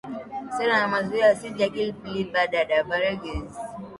Sera na Mazoea na Silja Klepp Libertad Chavez Rodriguez